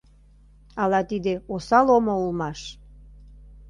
Ала тиде осал омо улмаш?